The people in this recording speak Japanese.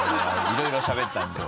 いろいろしゃべったんで。